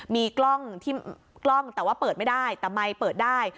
มีกล้องที่กล้องแต่ว่าเปิดไม่ได้แต่ไมค์เปิดได้